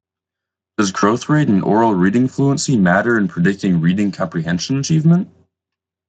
Does growth rate in oral reading fluency matter in predicting reading comprehension achievement?